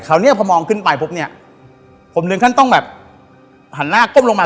คราวนี้พอเมางขึ้นไปต้องฮั่นหน้ากล้มลงมา